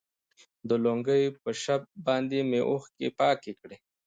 د لونګۍ په شف باندې مې اوښكې پاكې كړي.